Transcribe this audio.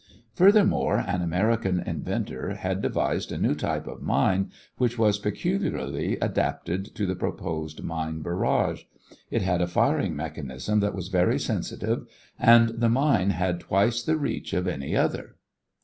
Furthermore, an American inventor had devised a new type of mine which was peculiarly adapted to the proposed mine barrage. It had a firing mechanism that was very sensitive and the mine had twice the reach of any other.